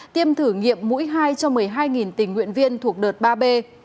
tiêm thử nghiệm mũi hai cho một mươi hai tình nguyện viên thuộc đợt ba b